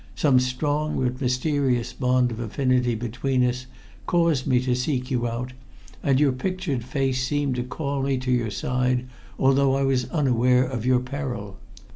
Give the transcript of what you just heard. Some strong but mysterious bond of affinity between us caused me to seek you out, and your pictured face seemed to call me to your side although I was unaware of your peril.